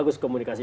kerja sama sekali